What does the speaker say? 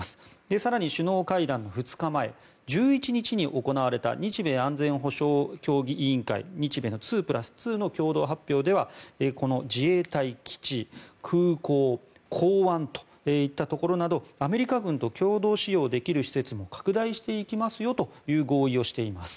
更に首脳会談の２日前１１日に行われた日米安全保障協議委員会日米の２プラス２の共同発表では自衛隊基地、空港港湾といったところなどアメリカ軍と共同使用できる施設も拡大していきますよという合意をしています。